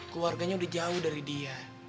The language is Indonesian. keluarganya udah jauh dari dia